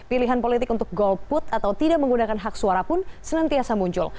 pilihan politik untuk golput atau tidak menggunakan hak suara pun senantiasa muncul